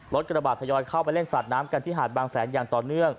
กระบาดทยอยเข้าไปเล่นสาดน้ำกันที่หาดบางแสนอย่างต่อเนื่อง